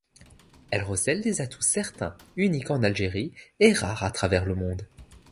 Elle recèle des atouts certains, uniques en Algérie et rares à travers le monde.